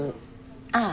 ああ。